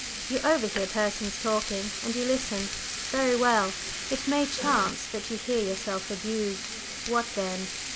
"You overhear persons talking and you listen. Very well. It may chance that you hear yourself abused. What then?